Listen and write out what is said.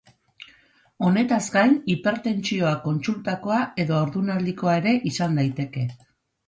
Honetaz gain, hipertentsioa kontsultakoa edo haurdunaldikoa ere izan daiteke.